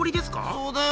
そうだよ。